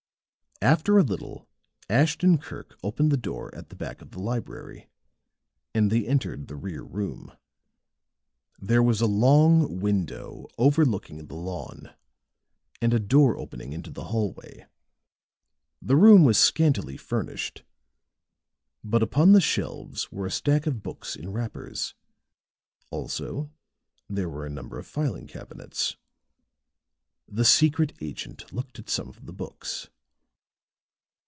After a little, Ashton Kirk opened the door at the back of the library, and they entered the rear room. There was a long window overlooking the lawn, and a door opening into the hallway. The room was scantily furnished; but upon the shelves were a stack of books in wrappers; also there were a number of filing cabinets. The secret agent looked at some of the books.